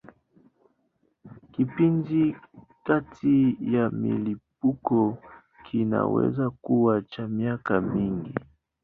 Kipindi kati ya milipuko kinaweza kuwa cha miaka mingi.